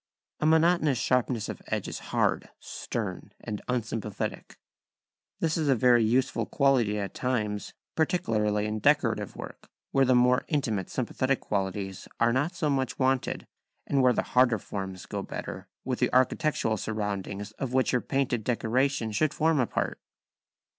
A monotonous sharpness of edge is hard, stern, and unsympathetic. This is a useful quality at times, particularly in decorative work, where the more intimate sympathetic qualities are not so much wanted, and where the harder forms go better with the architectural surroundings of which your painted decoration should form a part.